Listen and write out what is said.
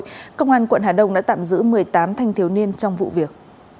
công an quận hà đông đã tạm giữ một mươi tám thanh thiếu niên trong vụ việc